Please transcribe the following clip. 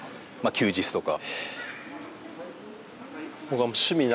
休日とか。